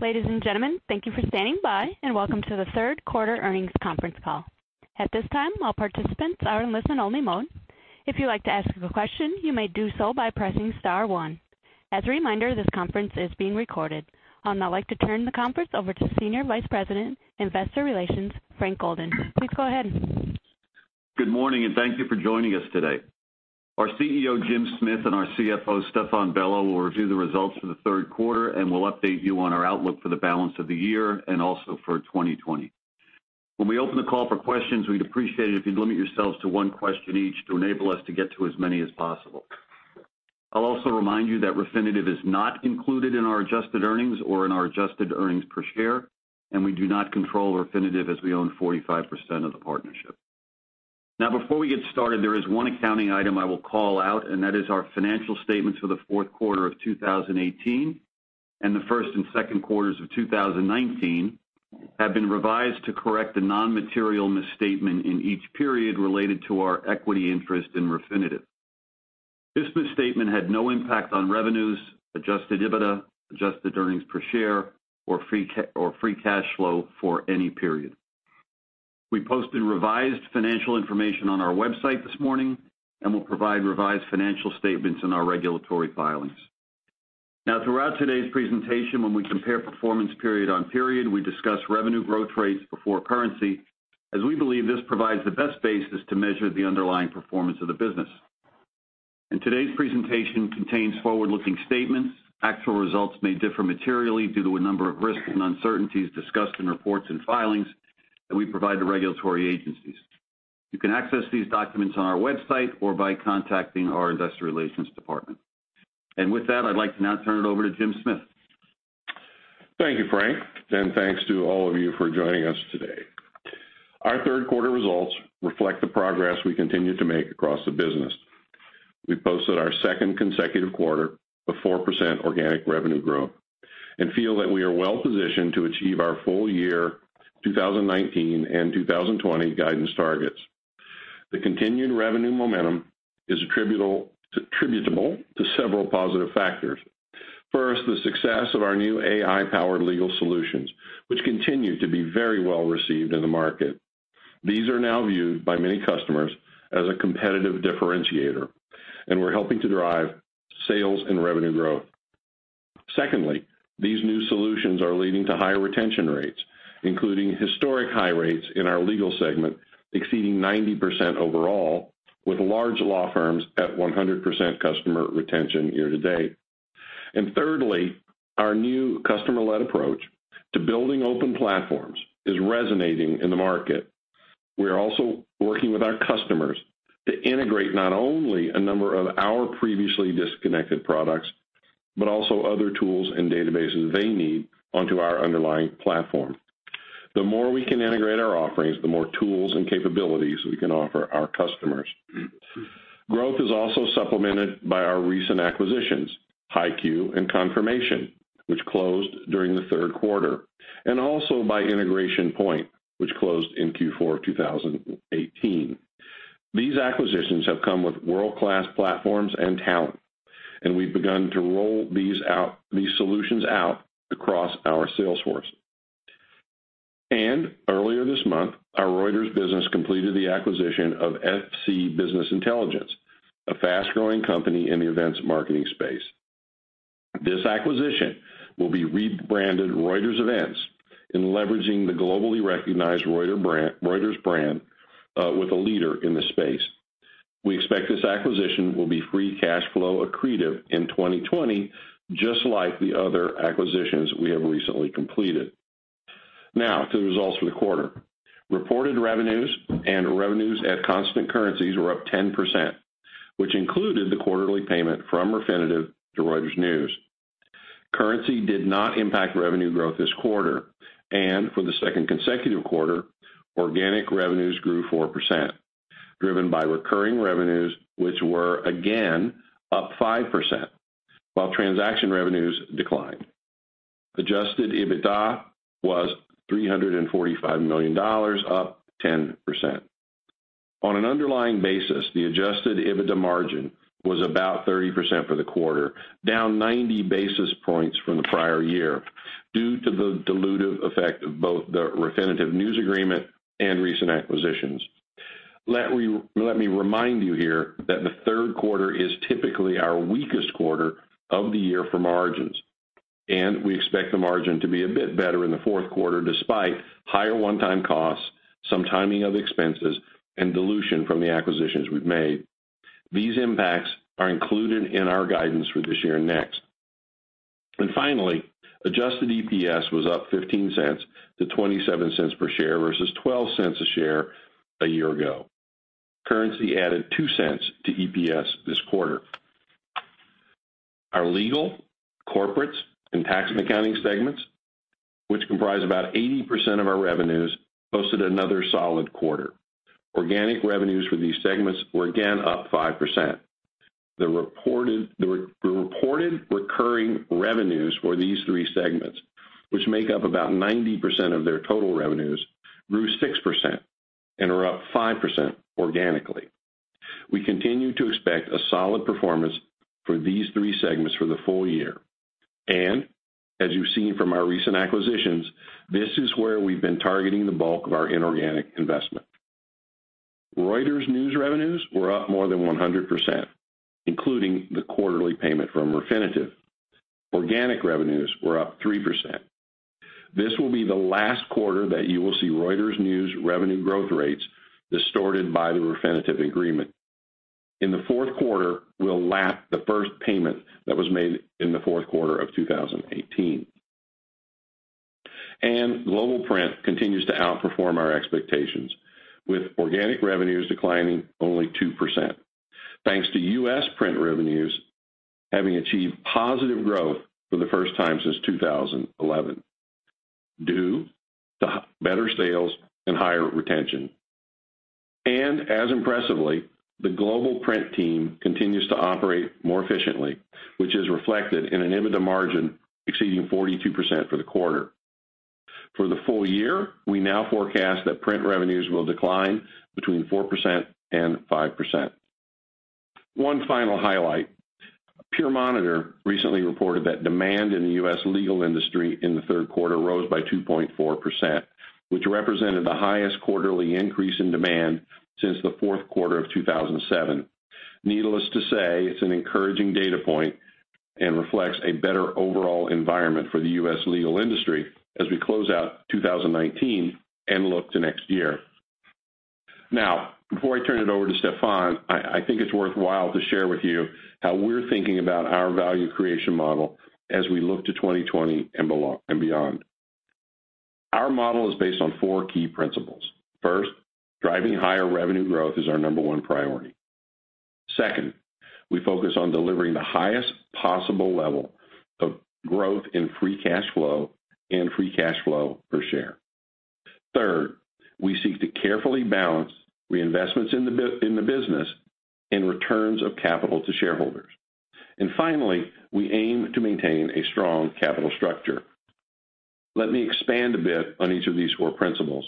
Ladies and gentlemen, thank you for standing by and welcome to the third quarter earnings conference call. At this time, all participants are in listen-only mode. If you'd like to ask a question, you may do so by pressing star one. As a reminder, this conference is being recorded. I'd now like to turn the conference over to Senior Vice President of Investor Relations, Frank Golden. Please go ahead. Good morning and thank you for joining us today. Our CEO, Jim Smith, and our CFO, Stéphane Bello, will review the results for the third quarter and will update you on our outlook for the balance of the year and also for 2020. When we open the call for questions, we'd appreciate it if you'd limit yourselves to one question each to enable us to get to as many as possible. I'll also remind you that Refinitiv is not included in our adjusted earnings or in our adjusted earnings per share, and we do not control Refinitiv as we own 45% of the partnership. Now, before we get started, there is one accounting item I will call out, and that is our financial statements for the fourth quarter of 2018 and the first and second quarters of 2019 have been revised to correct the non-material misstatement in each period related to our equity interest in Refinitiv. This misstatement had no impact on revenues, Adjusted EBITDA, adjusted earnings per share, or free cash flow for any period. We posted revised financial information on our website this morning and will provide revised financial statements in our regulatory filings. Now, throughout today's presentation, when we compare performance period on period, we discuss revenue growth rates before currency as we believe this provides the best basis to measure the underlying performance of the business. And today's presentation contains forward-looking statements. Actual results may differ materially due to a number of risks and uncertainties discussed in reports and filings that we provide to regulatory agencies. You can access these documents on our website or by contacting our investor relations department. And with that, I'd like to now turn it over to Jim Smith. Thank you, Frank, and thanks to all of you for joining us today. Our third quarter results reflect the progress we continue to make across the business. We posted our second consecutive quarter of 4% organic revenue growth and feel that we are well positioned to achieve our full year 2019 and 2020 guidance targets. The continued revenue momentum is attributable to several positive factors. First, the success of our new AI-powered Legal solutions, which continue to be very well received in the market. These are now viewed by many customers as a competitive differentiator, and we're helping to drive sales and revenue growth. Secondly, these new solutions are leading to higher retention rates, including historic high rates in our Legal segment exceeding 90% overall, with large law firms at 100% customer retention year to date. Thirdly, our new customer-led approach to building open platforms is resonating in the market. We're also working with our customers to integrate not only a number of our previously disconnected products but also other tools and databases they need onto our underlying platform. The more we can integrate our offerings, the more tools and capabilities we can offer our customers. Growth is also supplemented by our recent acquisitions, HighQ and Confirmation, which closed during the third quarter, and also by Integration Point, which closed in Q4 2018. These acquisitions have come with world-class platforms and talent, and we've begun to roll these solutions out across our sales force. Earlier this month, our Reuters business completed the acquisition of FC Business Intelligence, a fast-growing company in the events marketing space. This acquisition will be rebranded as Reuters Events, leveraging the globally recognized Reuters brand with a leader in the space. We expect this acquisition will be free cash flow accretive in 2020, just like the other acquisitions we have recently completed. Now, to the results for the quarter. Reported revenues and revenues at constant currencies were up 10%, which included the quarterly payment from Refinitiv to Reuters News. Currency did not impact revenue growth this quarter, and for the second consecutive quarter, organic revenues grew 4%, driven by recurring revenues, which were again up 5%, while transaction revenues declined. Adjusted EBITDA was $345 million, up 10%. On an underlying basis, the Adjusted EBITDA margin was about 30% for the quarter, down 90 basis points from the prior year due to the dilutive effect of both the Refinitiv News agreement and recent acquisitions. Let me remind you here that the third quarter is typically our weakest quarter of the year for margins, and we expect the margin to be a bit better in the fourth quarter despite higher one-time costs, some timing of expenses, and dilution from the acquisitions we've made. These impacts are included in our guidance for this year and next, and finally, Adjusted EPS was up $0.15 to $0.27 per share versus $0.12 per share a year ago. Currency added $0.02 to EPS this quarter. Our Legal, Corporate, and Tax and Accounting segments, which comprise about 80% of our revenues, posted another solid quarter. Organic revenues for these segments were again up 5%. The reported recurring revenues for these three segments, which make up about 90% of their total revenues, grew 6% and were up 5% organically. We continue to expect a solid performance for these three segments for the full year, and as you've seen from our recent acquisitions, this is where we've been targeting the bulk of our inorganic investment. Reuters News revenues were up more than 100%, including the quarterly payment from Refinitiv. Organic revenues were up 3%. This will be the last quarter that you will see Reuters News revenue growth rates distorted by the Refinitiv agreement. In the fourth quarter, we'll lap the first payment that was made in the fourth quarter of 2018, and Global Print continues to outperform our expectations, with organic revenues declining only 2%, thanks to U.S. Print revenues having achieved positive growth for the first time since 2011 due to better sales and higher retention. As impressively, the Global Print team continues to operate more efficiently, which is reflected in an EBITDA margin exceeding 42% for the quarter. For the full year, we now forecast that Print revenues will decline between 4% and 5%. One final highlight: Peer Monitor recently reported that demand in the U.S. Legal industry in the third quarter rose by 2.4%, which represented the highest quarterly increase in demand since the fourth quarter of 2007. Needless to say, it's an encouraging data point and reflects a better overall environment for the U.S. Legal industry as we close out 2019 and look to next year. Now, before I turn it over to Stéphane, I think it's worthwhile to share with you how we're thinking about our value creation model as we look to 2020 and beyond. Our model is based on four key principles. First, driving higher revenue growth is our number one priority. Second, we focus on delivering the highest possible level of growth in free cash flow and free cash flow per share. Third, we seek to carefully balance reinvestments in the business and returns of capital to shareholders. Finally, we aim to maintain a strong capital structure. Let me expand a bit on each of these four principles.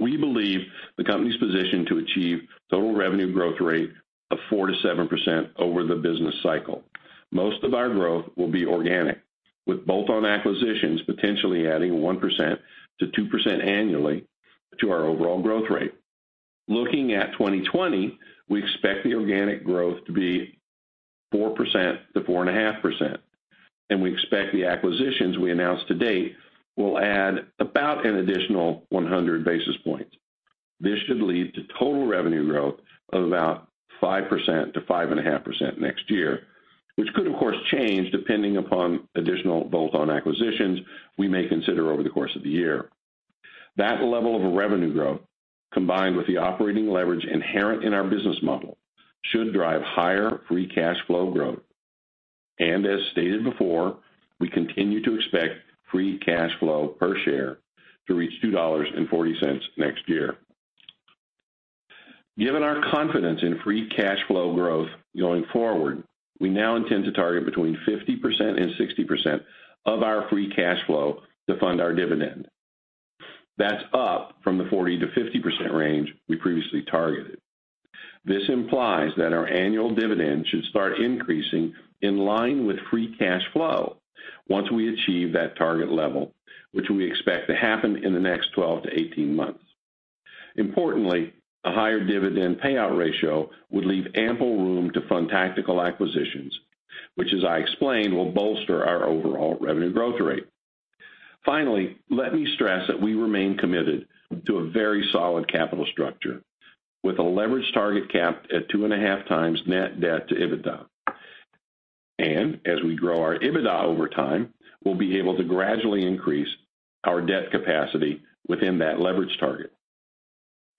We believe the company is positioned to achieve total revenue growth rate of 4%-7% over the business cycle. Most of our growth will be organic, with bolt-on acquisitions potentially adding 1%-2% annually to our overall growth rate. Looking at 2020, we expect the organic growth to be 4%-4.5%, and we expect the acquisitions we announced to date will add about an additional 100 basis points. This should lead to total revenue growth of about 5%-5.5% next year, which could, of course, change depending upon additional bolt-on acquisitions we may consider over the course of the year. That level of revenue growth, combined with the operating leverage inherent in our business model, should drive higher free cash flow growth. And as stated before, we continue to expect free cash flow per share to reach $2.40 next year. Given our confidence in free cash flow growth going forward, we now intend to target between 50% and 60% of our free cash flow to fund our dividend. That's up from the 40%-50% range we previously targeted. This implies that our annual dividend should start increasing in line with free cash flow once we achieve that target level, which we expect to happen in the next 12-18 months. Importantly, a higher dividend payout ratio would leave ample room to fund tactical acquisitions, which, as I explained, will bolster our overall revenue growth rate. Finally, let me stress that we remain committed to a very solid capital structure with a leverage target capped at 2.5 times net debt to EBITDA, and as we grow our EBITDA over time, we'll be able to gradually increase our debt capacity within that leverage target.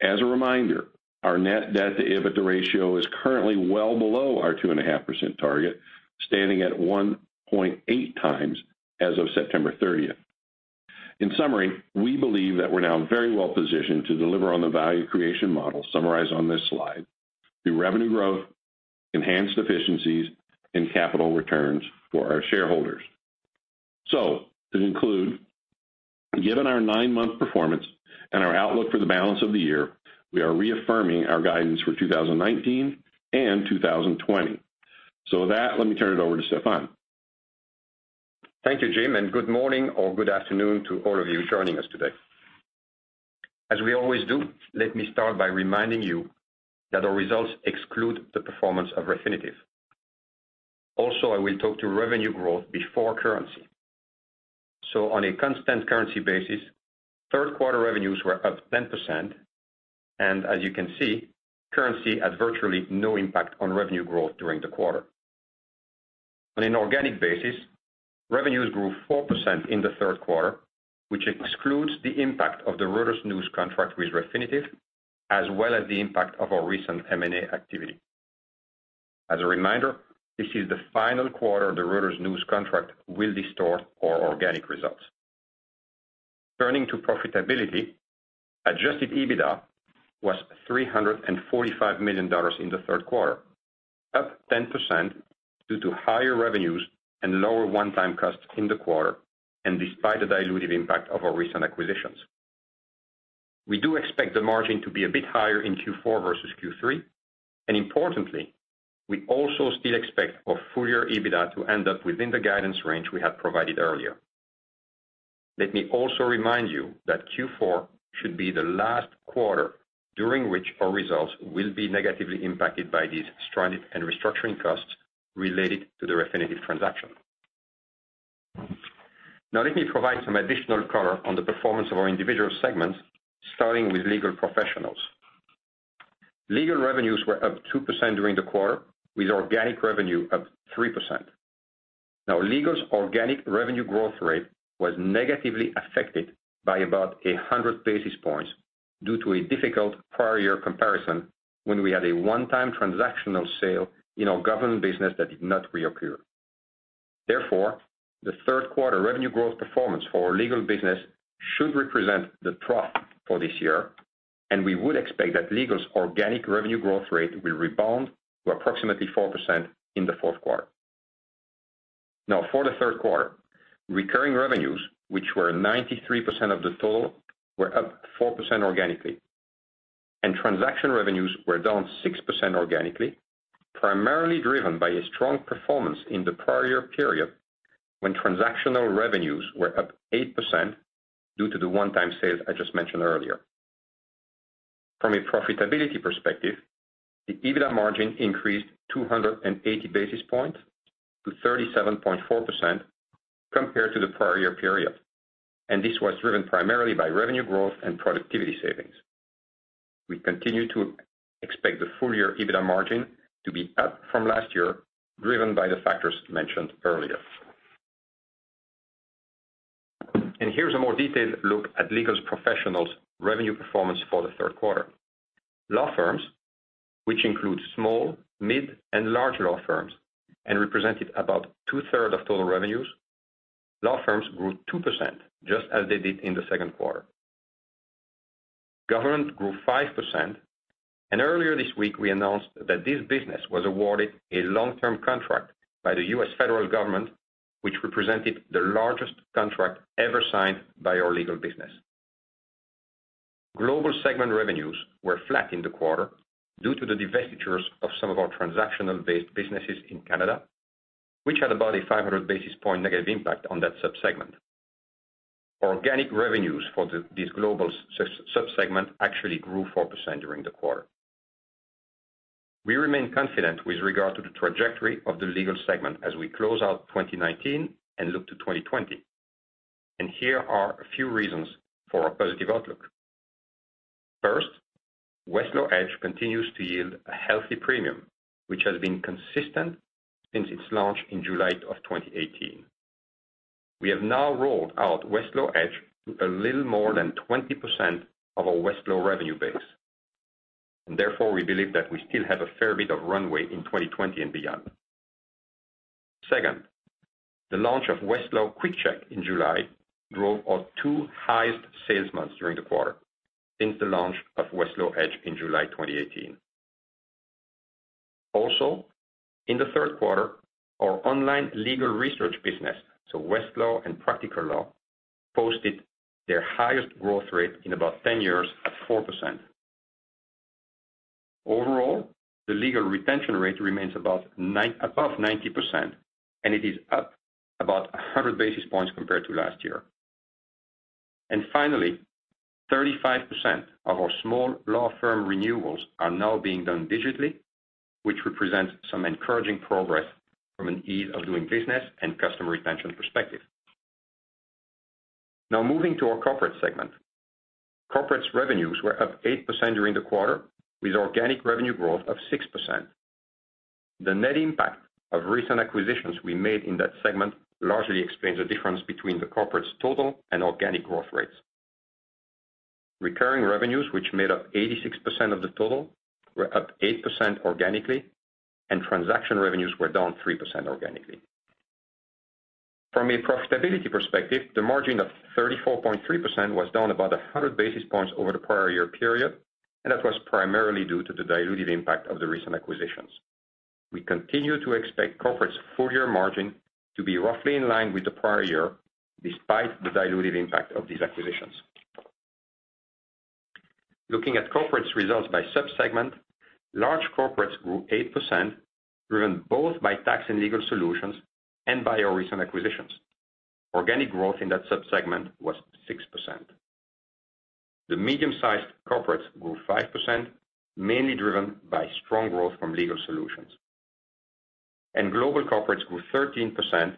As a reminder, our net debt to EBITDA ratio is currently well below our 2.5 times target, standing at 1.8 times as of September 30th. In summary, we believe that we're now very well positioned to deliver on the value creation model summarized on this slide through revenue growth, enhanced efficiencies, and capital returns for our shareholders. To conclude, given our nine-month performance and our outlook for the balance of the year, we are reaffirming our guidance for 2019 and 2020. So with that, let me turn it over to Stéphane. Thank you, Jim, and good morning or good afternoon to all of you joining us today. As we always do, let me start by reminding you that our results exclude the performance of Refinitiv. Also, I will talk to revenue growth before currency. On a constant currency basis, third quarter revenues were up 10%, and as you can see, currency had virtually no impact on revenue growth during the quarter. On an organic basis, revenues grew 4% in the third quarter, which excludes the impact of the Reuters News contract with Refinitiv, as well as the impact of our recent M&A activity. As a reminder, this is the final quarter the Reuters News contract will distort our organic results. Turning to profitability, Adjusted EBITDA was $345 million in the third quarter, up 10% due to higher revenues and lower one-time costs in the quarter, and despite the dilutive impact of our recent acquisitions. We do expect the margin to be a bit higher in Q4 versus Q3, and importantly, we also still expect our full year EBITDA to end up within the guidance range we had provided earlier. Let me also remind you that Q4 should be the last quarter during which our results will be negatively impacted by these stranded and restructuring costs related to the Refinitiv transaction. Now, let me provide some additional color on the performance of our individual segments, starting with legal professionals. Legal revenues were up 2% during the quarter, with organic revenue up 3%. Now, Legal's organic revenue growth rate was negatively affected by about 100 basis points due to a difficult prior year comparison when we had a one-time transactional sale in our Government business that did not reoccur. Therefore, the third quarter revenue growth performance for our Legal business should represent the trough for this year, and we would expect that Legal's organic revenue growth rate will rebound to approximately 4% in the fourth quarter. Now, for the third quarter, recurring revenues, which were 93% of the total, were up 4% organically, and transaction revenues were down 6% organically, primarily driven by a strong performance in the prior year period when transactional revenues were up 8% due to the one-time sales I just mentioned earlier. From a profitability perspective, the EBITDA margin increased 280 basis points to 37.4% compared to the prior year period, and this was driven primarily by revenue growth and productivity savings. We continue to expect the full year EBITDA margin to be up from last year, driven by the factors mentioned earlier. Here's a more detailed look at Legal Professionals' revenue performance for the third quarter. Law firms, which include small, mid, and large law firms, represented about two-thirds of total revenues. Law firms grew 2%, just as they did in the second quarter. Government grew 5%, and earlier this week, we announced that this business was awarded a long-term contract by the U.S. Federal Government, which represented the largest contract ever signed by our Legal business. Global segment revenues were flat in the quarter due to the divestitures of some of our transactional-based businesses in Canada, which had about a 500 basis points negative impact on that subsegment. Organic revenues for this global subsegment actually grew 4% during the quarter. We remain confident with regard to the trajectory of the legal segment as we close out 2019 and look to 2020, and here are a few reasons for our positive outlook. First, Westlaw Edge continues to yield a healthy premium, which has been consistent since its launch in July of 2018. We have now rolled out Westlaw Edge to a little more than 20% of our Westlaw revenue base, and therefore, we believe that we still have a fair bit of runway in 2020 and beyond. Second, the launch of Westlaw Quick Check in July drove our two highest sales months during the quarter since the launch of Westlaw Edge in July 2018. Also, in the third quarter, our online legal research business, so Westlaw and Practical Law, posted their highest growth rate in about 10 years at 4%. Overall, the legal retention rate remains above 90%, and it is up about 100 basis points compared to last year. And finally, 35% of our small law firm renewals are now being done digitally, which represents some encouraging progress from an ease of doing business and customer retention perspective. Now, moving to our Corporates segment, Corporates' revenues were up 8% during the quarter, with organic revenue growth of 6%. The net impact of recent acquisitions we made in that segment largely explains the difference between the Corporates' total and organic growth rates. Recurring revenues, which made up 86% of the total, were up 8% organically, and transaction revenues were down 3% organically. From a profitability perspective, the margin of 34.3% was down about 100 basis points over the prior year period, and that was primarily due to the dilutive impact of the recent acquisitions. We continue to expect Corporates' full year margin to be roughly in line with the prior year despite the dilutive impact of these acquisitions. Looking at Corporates' results by subsegment, large Corporates grew 8%, driven both by tax and Legal solutions and by our recent acquisitions. Organic growth in that subsegment was 6%. The medium-sized Corporates grew 5%, mainly driven by strong growth from Legal solutions, and global Corporates grew 13%,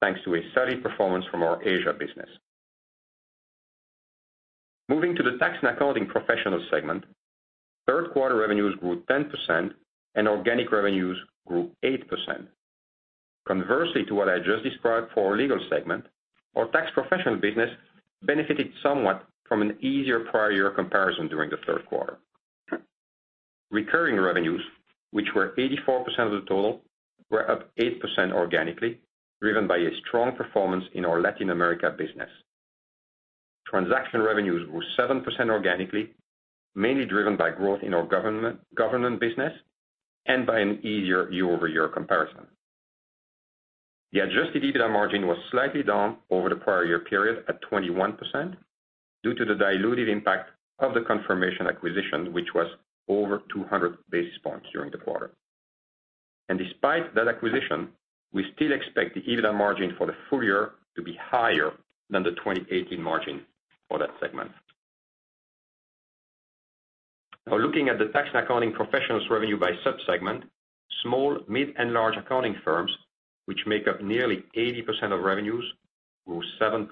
thanks to a solid performance from our Asia business. Moving to the Tax and Accounting Professionals segment, third quarter revenues grew 10%, and organic revenues grew 8%. Conversely to what I just described for our legal segment, our Tax Professional business benefited somewhat from an easier prior year comparison during the third quarter. Recurring revenues, which were 84% of the total, were up 8% organically, driven by a strong performance in our Latin America business. Transaction revenues grew 7% organically, mainly driven by growth in our Government business and by an easier year-over-year comparison. The Adjusted EBITDA margin was slightly down over the prior year period at 21% due to the dilutive impact of the Confirmation acquisition, which was over 200 basis points during the quarter. And despite that acquisition, we still expect the EBITDA margin for the full year to be higher than the 2018 margin for that segment. Now, looking at the Tax and Accounting Professionals' revenue by subsegment, small, mid, and large accounting firms, which make up nearly 80% of revenues, grew 7%.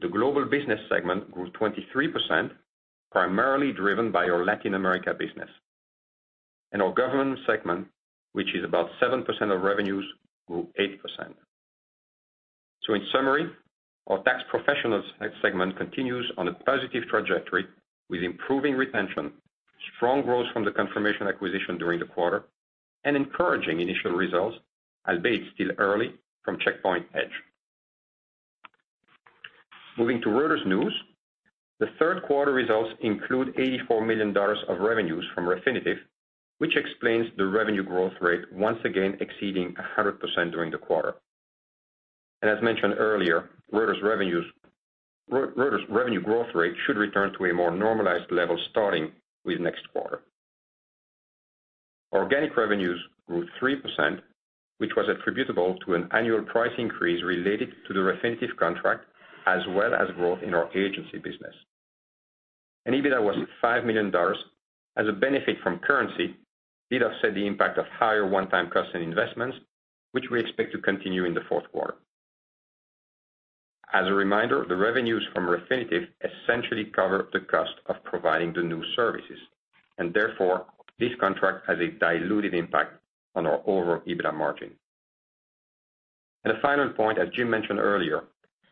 The global business segment grew 23%, primarily driven by our Latin America business. Our government segment, which is about 7% of revenues, grew 8%. In summary, our Tax Professionals' segment continues on a positive trajectory with improving retention, strong growth from the Confirmation acquisition during the quarter, and encouraging initial results, albeit still early, from Checkpoint Edge. Moving to Reuters News, the third quarter results include $84 million of revenues from Refinitiv, which explains the revenue growth rate once again exceeding 100% during the quarter. As mentioned earlier, Reuters' revenue growth rate should return to a more normalized level starting with next quarter. Organic revenues grew 3%, which was attributable to an annual price increase related to the Refinitiv contract, as well as growth in our agency business. EBITDA was $5 million. As a benefit from currency, did offset the impact of higher one-time costs and investments, which we expect to continue in the fourth quarter. As a reminder, the revenues from Refinitiv essentially cover the cost of providing the new services, and therefore, this contract has a dilutive impact on our overall EBITDA margin. A final point, as Jim mentioned earlier,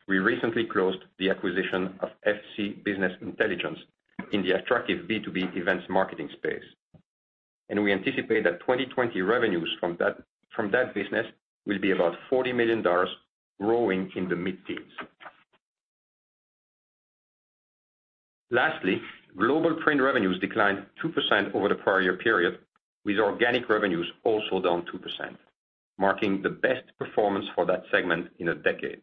we recently closed the acquisition of FC Business Intelligence in the attractive B2B events marketing space, and we anticipate that 2020 revenues from that business will be about $40 million growing in the mid-teens. Lastly, global print revenues declined 2% over the prior year period, with organic revenues also down 2%, marking the best performance for that segment in a decade.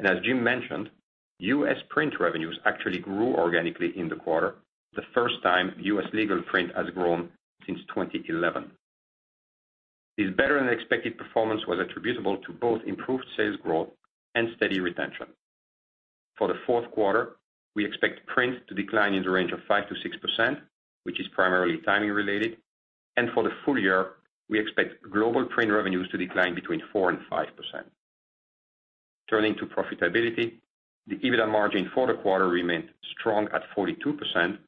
As Jim mentioned, U.S. print revenues actually grew organically in the quarter, the first time U.S. Legal Print has grown since 2011. This better-than-expected performance was attributable to both improved sales growth and steady retention. For the fourth quarter, we expect print to decline in the range of 5%-6%, which is primarily timing-related, and for the full year, we expect global print revenues to decline between 4% and 5%. Turning to profitability, the EBITDA margin for the quarter remained strong at 42%,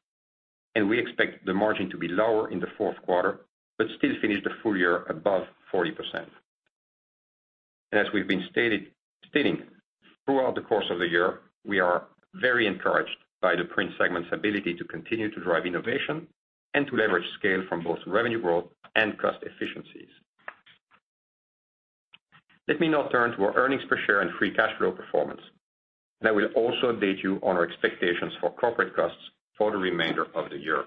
and we expect the margin to be lower in the fourth quarter, but still finish the full year above 40%. And as we've been stating, throughout the course of the year, we are very encouraged by the print segment's ability to continue to drive innovation and to leverage scale from both revenue growth and cost efficiencies. Let me now turn to our earnings per share and free cash flow performance, and I will also update you on our expectations for Corporate costs for the remainder of the year.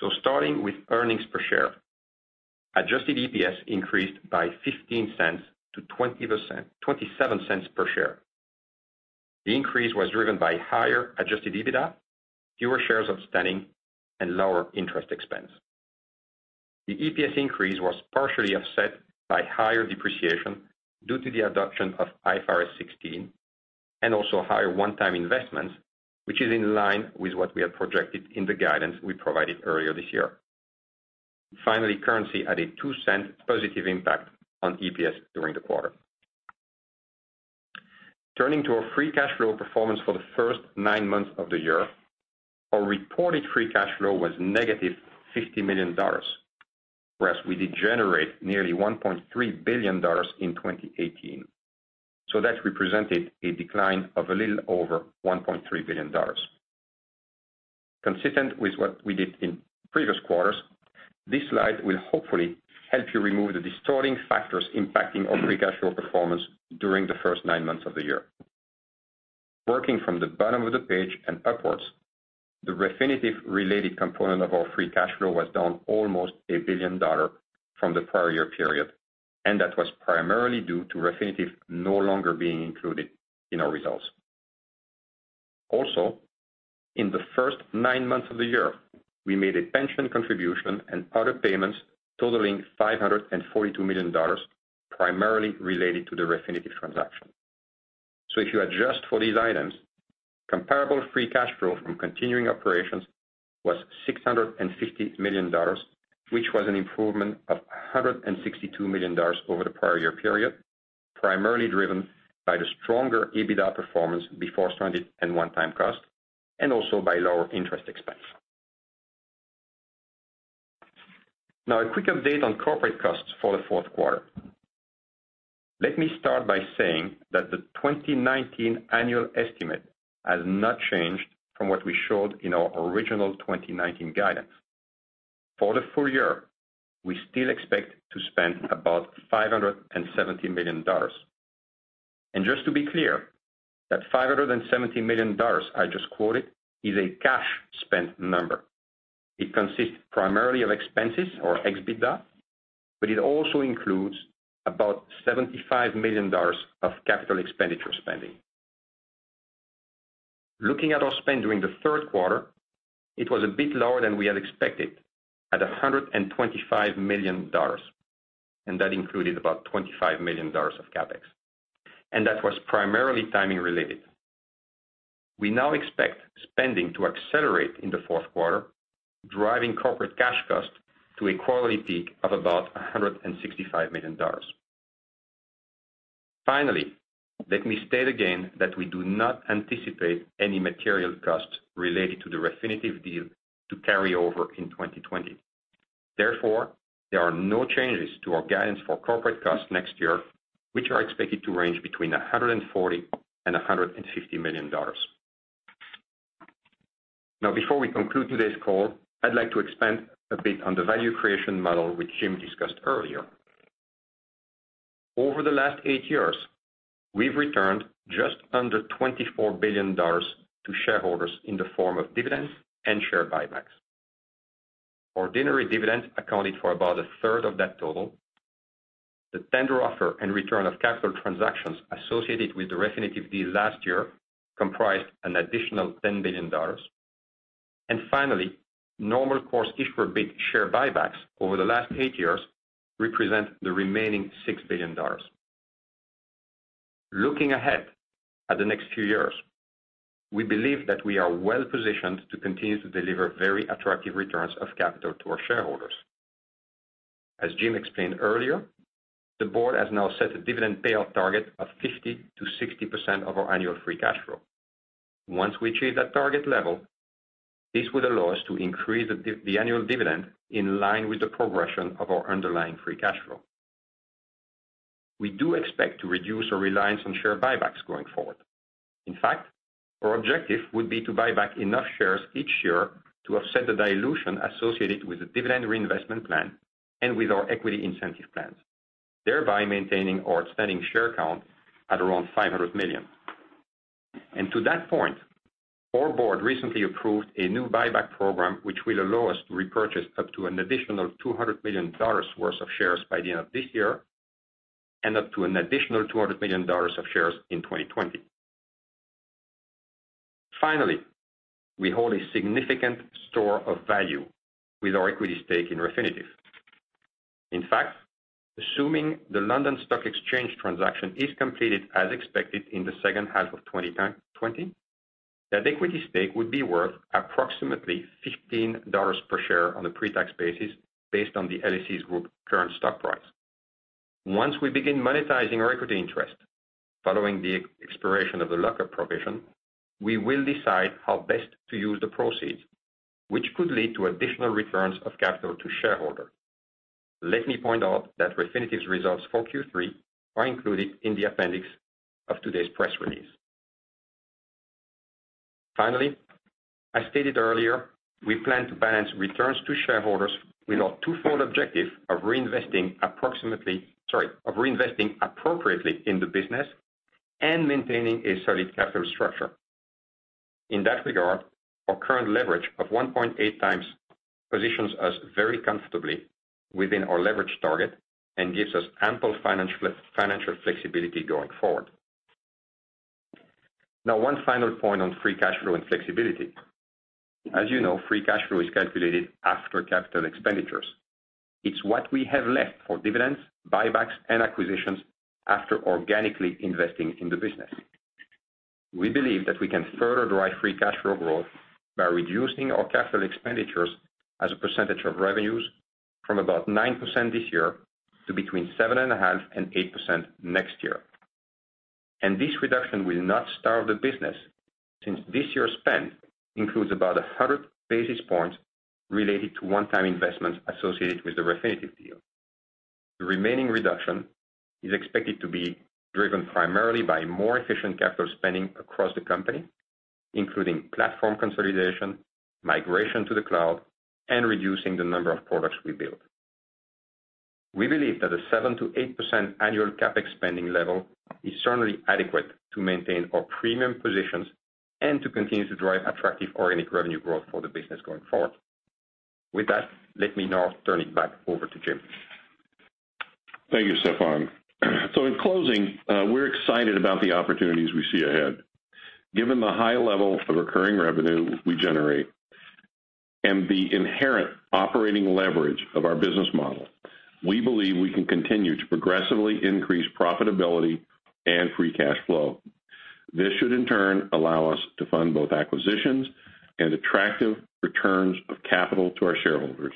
So, starting with earnings per share, Adjusted EPS increased by $0.15 to $0.27 per share. The increase was driven by higher Adjusted EBITDA, fewer shares outstanding, and lower interest expense. The EPS increase was partially offset by higher depreciation due to the adoption of IFRS 16 and also higher one-time investments, which is in line with what we had projected in the guidance we provided earlier this year. Finally, currency had a $0.02 positive impact on EPS during the quarter. Turning to our free cash flow performance for the first nine months of the year, our reported free cash flow was negative $50 million, whereas we did generate nearly $1.3 billion in 2018. So, that represented a decline of a little over $1.3 billion. Consistent with what we did in previous quarters, this slide will hopefully help you remove the distorting factors impacting our free cash flow performance during the first nine months of the year. Working from the bottom of the page and upwards, the Refinitiv-related component of our free cash flow was down almost $1 billion from the prior year period, and that was primarily due to Refinitiv no longer being included in our results. Also, in the first nine months of the year, we made a pension contribution and other payments totaling $542 million, primarily related to the Refinitiv transaction. So, if you adjust for these items, comparable free cash flow from continuing operations was $650 million, which was an improvement of $162 million over the prior year period, primarily driven by the stronger EBITDA performance before start-up and one-time costs, and also by lower interest expense. Now, a quick update on Corporates costs for the fourth quarter. Let me start by saying that the 2019 annual estimate has not changed from what we showed in our original 2019 guidance. For the full year, we still expect to spend about $570 million. And just to be clear, that $570 million I just quoted is a cash spent number. It consists primarily of expenses ex-EBITDA, but it also includes about $75 million of capital expenditure spending. Looking at our spend during the third quarter, it was a bit lower than we had expected, at $125 million, and that included about $25 million of CapEx. And that was primarily timing-related. We now expect spending to accelerate in the fourth quarter, driving Corporates cash cost to a quarterly peak of about $165 million. Finally, let me state again that we do not anticipate any material costs related to the Refinitiv deal to carry over in 2020. Therefore, there are no changes to our guidance for Corporates costs next year, which are expected to range between $140 and $150 million. Now, before we conclude today's call, I'd like to expand a bit on the value creation model which Jim discussed earlier. Over the last eight years, we've returned just under $24 billion to shareholders in the form of dividends and share buybacks. Ordinary dividends accounted for about a third of that total. The tender offer and return of capital transactions associated with the Refinitiv deal last year comprised an additional $10 billion. And finally, normal-course issuer bid share buybacks over the last eight years represent the remaining $6 billion. Looking ahead at the next few years, we believe that we are well-positioned to continue to deliver very attractive returns of capital to our shareholders. As Jim explained earlier, the board has now set a dividend payout target of 50%-60% of our annual free cash flow. Once we achieve that target level, this will allow us to increase the annual dividend in line with the progression of our underlying free cash flow. We do expect to reduce our reliance on share buybacks going forward. In fact, our objective would be to buy back enough shares each year to offset the dilution associated with the dividend reinvestment plan and with our equity incentive plans, thereby maintaining our outstanding share count at around $500 million. To that point, our board recently approved a new buyback program which will allow us to repurchase up to an additional $200 million worth of shares by the end of this year and up to an additional $200 million of shares in 2020. Finally, we hold a significant store of value with our equity stake in Refinitiv. In fact, assuming the London Stock Exchange transaction is completed as expected in the second half of 2020, that equity stake would be worth approximately $15 per share on a pre-tax basis based on the LSE Group's current stock price. Once we begin monetizing our equity interest following the expiration of the lock-up provision, we will decide how best to use the proceeds, which could lead to additional returns of capital to shareholders. Let me point out that Refinitiv's results for Q3 are included in the appendix of today's press release. Finally, as stated earlier, we plan to balance returns to shareholders with our twofold objective of reinvesting appropriately in the business and maintaining a solid capital structure. In that regard, our current leverage of 1.8 times positions us very comfortably within our leverage target and gives us ample financial flexibility going forward. Now, one final point on free cash flow and flexibility. As you know, free cash flow is calculated after capital expenditures. It's what we have left for dividends, buybacks, and acquisitions after organically investing in the business. We believe that we can further drive free cash flow growth by reducing our capital expenditures as a percentage of revenues from about 9% this year to between 7.5% and 8% next year. And this reduction will not starve the business since this year's spend includes about 100 basis points related to one-time investments associated with the Refinitiv deal. The remaining reduction is expected to be driven primarily by more efficient capital spending across the company, including platform consolidation, migration to the cloud, and reducing the number of products we build. We believe that a 7%-8% annual CapEx spending level is certainly adequate to maintain our premium positions and to continue to drive attractive organic revenue growth for the business going forward. With that, let me now turn it back over to Jim. Thank you, Stéphane. So, in closing, we're excited about the opportunities we see ahead. Given the high level of recurring revenue we generate and the inherent operating leverage of our business model, we believe we can continue to progressively increase profitability and free cash flow. This should, in turn, allow us to fund both acquisitions and attractive returns of capital to our shareholders,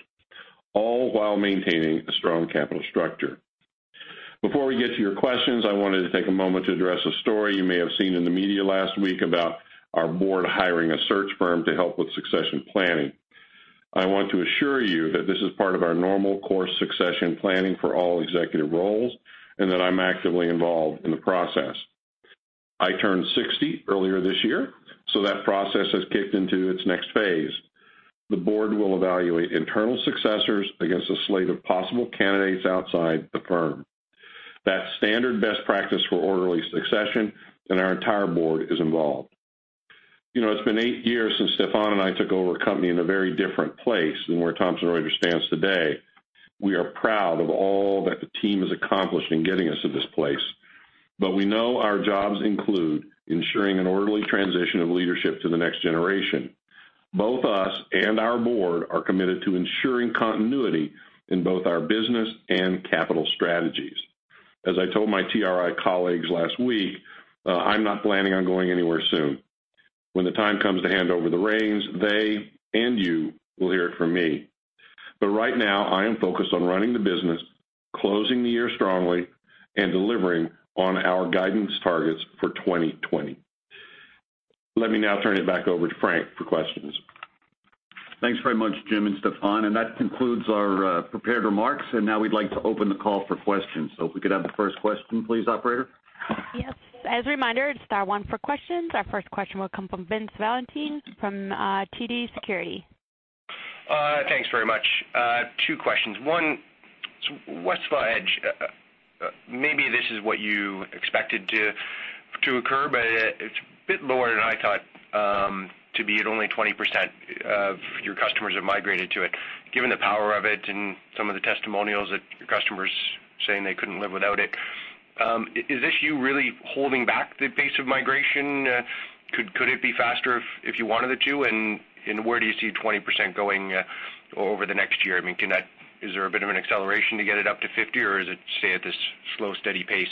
all while maintaining a strong capital structure. Before we get to your questions, I wanted to take a moment to address a story you may have seen in the media last week about our board hiring a search firm to help with succession planning. I want to assure you that this is part of our normal course succession planning for all executive roles and that I'm actively involved in the process. I turned 60 earlier this year, so that process has kicked into its next phase. The board will evaluate internal successors against a slate of possible candidates outside the firm. That's standard best practice for orderly succession, and our entire board is involved. It's been eight years since Stéphane and I took over a company in a very different place than where Thomson Reuters stands today. We are proud of all that the team has accomplished in getting us to this place, but we know our jobs include ensuring an orderly transition of leadership to the next generation. Both us and our board are committed to ensuring continuity in both our business and capital strategies. As I told my TRI colleagues last week, I'm not planning on going anywhere soon. When the time comes to hand over the reins, they and you will hear it from me. But right now, I am focused on running the business, closing the year strongly, and delivering on our guidance targets for 2020. Let me now turn it back over to Frank for questions. Thanks very much, Jim and Stéphane. And that concludes our prepared remarks, and now we'd like to open the call for questions. So, if we could have the first question, please, operator. Yes. As a reminder, it's star one for questions. Our first question will come from Vince Valentini from TD Securities. Thanks very much. Two questions. One, Westlaw Edge, maybe this is what you expected to occur, but it's a bit lower than I thought to be at only 20% of your customers have migrated to it. Given the power of it and some of the testimonials that your customers are saying they couldn't live without it, is this you really holding back the pace of migration? Could it be faster if you wanted it to? And where do you see 20% going over the next year? I mean, is there a bit of an acceleration to get it up to 50%, or is it stay at this slow, steady pace?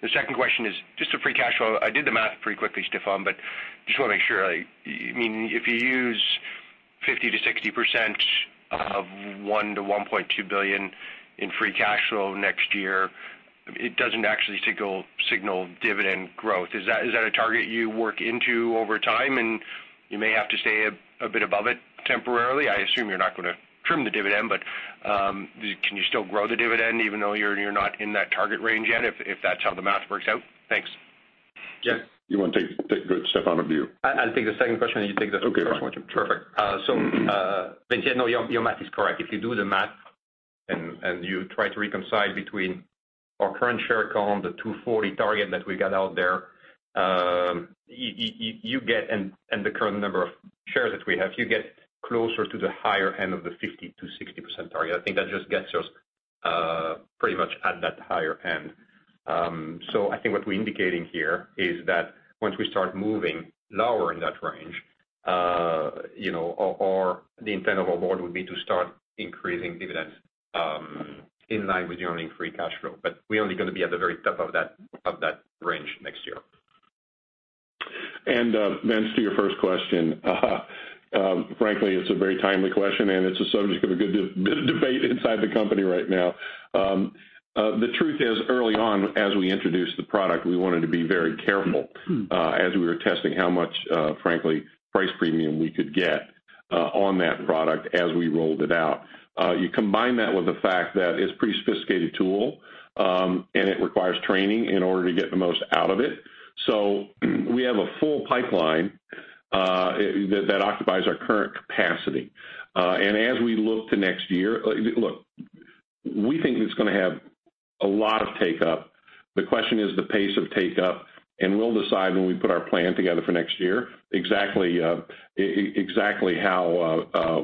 The second question is just the free cash flow. I did the math pretty quickly, Stéphane, but just want to make sure. I mean, if you use 50%-60% of $1 billion-$1.2 billion in free cash flow next year, it doesn't actually signal dividend growth. Is that a target you work into over time, and you may have to stay a bit above it temporarily? I assume you're not going to trim the dividend, but can you still grow the dividend even though you're not in that target range yet if that's how the math works out? Thanks. Yes. You want to take a good Stéphane or do you? I'll take the second question, and you take the first question. Perfect. So, Vince, your math is correct. If you do the math and you try to reconcile between our current share count, the 240 target that we got out there, and the current number of shares that we have, you get closer to the higher end of the 50%-60% target. I think that just gets us pretty much at that higher end, so I think what we're indicating here is that once we start moving lower in that range, the intent of our board would be to start increasing dividends in line with your own Free Cash Flow, but we're only going to be at the very top of that range next year, And Vince, to your first question, frankly, it's a very timely question, and it's a subject of a good debate inside the company right now. The truth is, early on, as we introduced the product, we wanted to be very careful as we were testing how much, frankly, price premium we could get on that product as we rolled it out. You combine that with the fact that it's a pretty sophisticated tool, and it requires training in order to get the most out of it. So, we have a full pipeline that occupies our current capacity. And as we look to next year, look, we think it's going to have a lot of take-up. The question is the pace of take-up, and we'll decide when we put our plan together for next year exactly how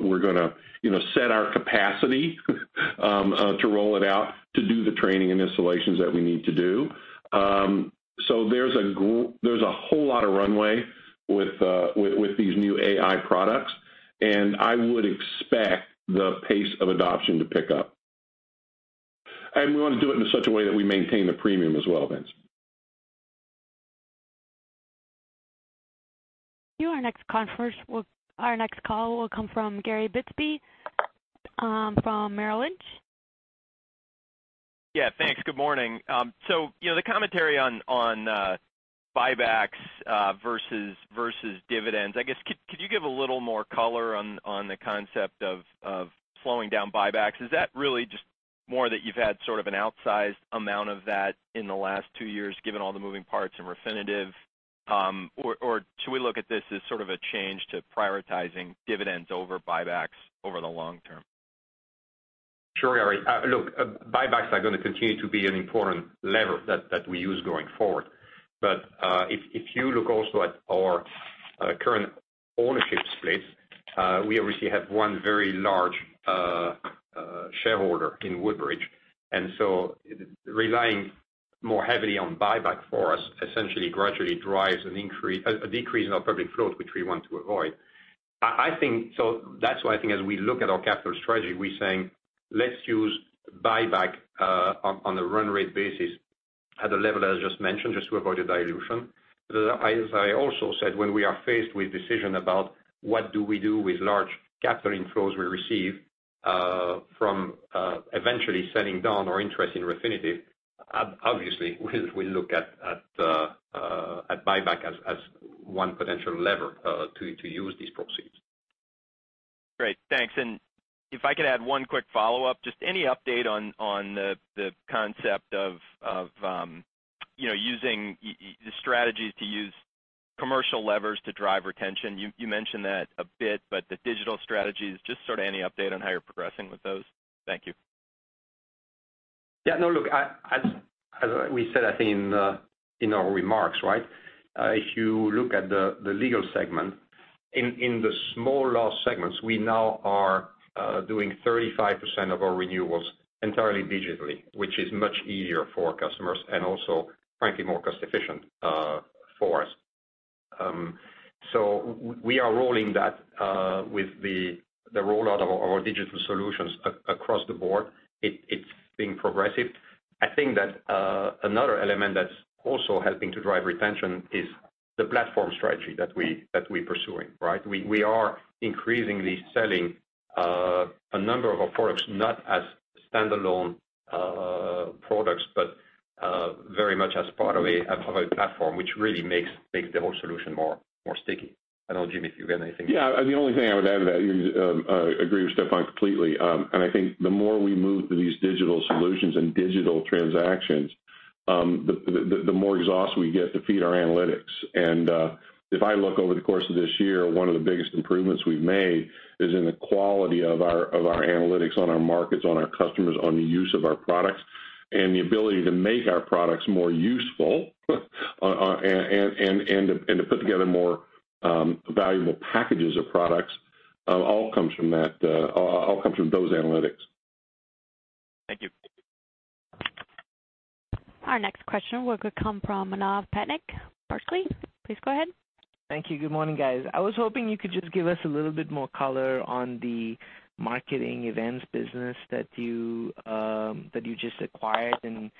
we're going to set our capacity to roll it out to do the training and installations that we need to do. There's a whole lot of runway with these new AI products, and I would expect the pace of adoption to pick up. We want to do it in such a way that we maintain the premium as well, Vince. Our next call will come from Gary Bisbee from Merrill Lynch. Yeah. Thanks. Good morning. The commentary on buybacks versus dividends, I guess, could you give a little more color on the concept of slowing down buybacks? Is that really just more that you've had sort of an outsized amount of that in the last two years, given all the moving parts and Refinitiv? Or should we look at this as sort of a change to prioritizing dividends over buybacks over the long term? Sure, Gary. Look, buybacks are going to continue to be an important lever that we use going forward. But if you look also at our current ownership splits, we obviously have one very large shareholder in Woodbridge. And so, relying more heavily on buyback for us essentially gradually drives a decrease in our public float, which we want to avoid. So, that's why I think as we look at our capital strategy, we're saying, "Let's use buyback on a run-rate basis at a level as just mentioned just to avoid a dilution." As I also said, when we are faced with decisions about what do we do with large capital inflows we receive from eventually selling down our interest in Refinitiv, obviously, we'll look at buyback as one potential lever to use these proceeds. Great. Thanks. And if I could add one quick follow-up, just any update on the concept of using the strategies to use commercial levers to drive retention? You mentioned that a bit, but the digital strategies, just sort of any update on how you're progressing with those? Thank you. Yeah. No, look, as we said, I think in our remarks, right, if you look at the legal segment, in the small law segments, we now are doing 35% of our renewals entirely digitally, which is much easier for our customers and also, frankly, more cost-efficient for us. So, we are rolling that with the rollout of our digital solutions across the board. It's being progressive. I think that another element that's also helping to drive retention is the platform strategy that we're pursuing, right? We are increasingly selling a number of our products, not as standalone products, but very much as part of a platform, which really makes the whole solution more sticky. I don't know, Jim, if you got anything. Yeah. The only thing I would add to that: you agree with Stéphane completely, and I think the more we move to these digital solutions and digital transactions, the more exhaust we get to feed our analytics, and if I look over the course of this year, one of the biggest improvements we've made is in the quality of our analytics on our markets, on our customers, on the use of our products, and the ability to make our products more useful and to put together more valuable packages of products all comes from those analytics. Thank you. Our next question will come from Manav Patnaik, Barclays. Please go ahead. Thank you. Good morning, guys. I was hoping you could just give us a little bit more color on the marketing events business that you just acquired and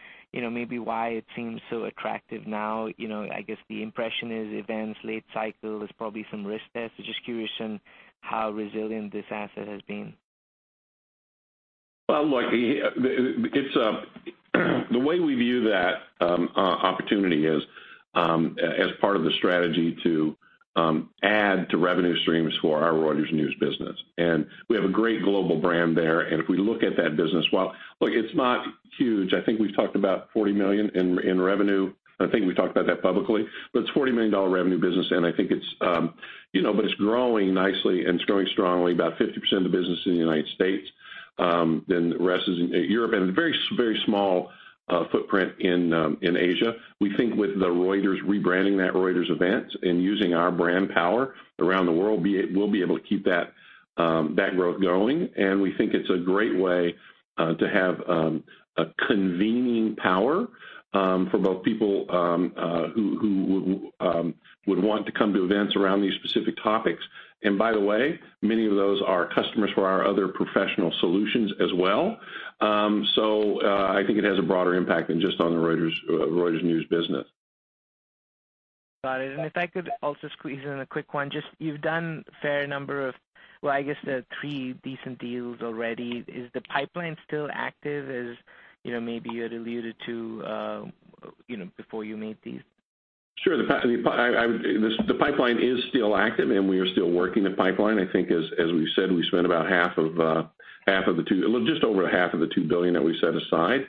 maybe why it seems so attractive now. I guess the impression is events, late cycle, there's probably some risk there. So, just curious on how resilient this asset has been. Well, look, the way we view that opportunity is as part of the strategy to add to revenue streams for our Reuters News business. And we have a great global brand there. And if we look at that business, well, look, it's not huge. I think we've talked about $40 million in revenue. I think we've talked about that publicly. But it's a $40 million revenue business, and I think it's—but it's growing nicely, and it's growing strongly. About 50% of the business is in the United States. Then the rest is in Europe and a very small footprint in Asia. We think with the Reuters rebranding, that Reuters Events and using our brand power around the world, we'll be able to keep that growth going. And we think it's a great way to have a convening power for both people who would want to come to events around these specific topics. And by the way, many of those are customers for our other professional solutions as well. So, I think it has a broader impact than just on the Reuters News business. Got it. And if I could also squeeze in a quick one, just you've done a fair number of, well, I guess three decent deals already. Is the pipeline still active? As maybe you had alluded to before you made these. Sure. The pipeline is still active, and we are still working the pipeline. I think, as we've said, we spent about half of the two, just over half of the $2 billion that we set aside.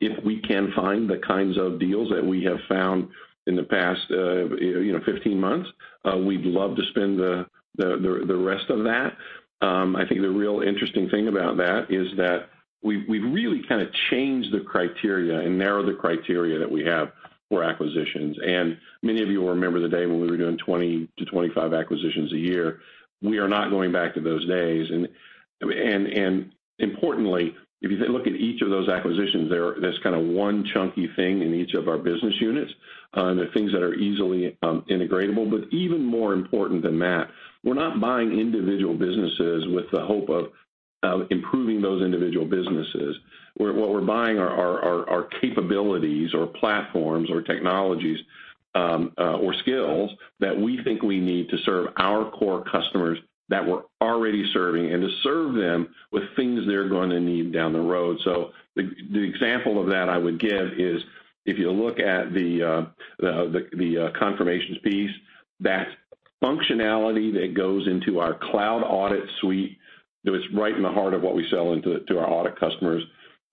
If we can find the kinds of deals that we have found in the past 15 months, we'd love to spend the rest of that. I think the real interesting thing about that is that we've really kind of changed the criteria and narrowed the criteria that we have for acquisitions. And many of you will remember the day when we were doing 20-25 acquisitions a year. We are not going back to those days. And importantly, if you look at each of those acquisitions, there's kind of one chunky thing in each of our business units, the things that are easily integratable. But even more important than that, we're not buying individual businesses with the hope of improving those individual businesses. What we're buying are our capabilities or platforms or technologies or skills that we think we need to serve our core customers that we're already serving and to serve them with things they're going to need down the road. So, the example of that I would give is if you look at the confirmations piece, that functionality that goes into our Cloud Audit Suite, it's right in the heart of what we sell to our audit customers